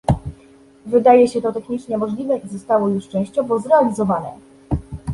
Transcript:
Wydaje się to technicznie możliwe i zostało już częściowo zrealizowane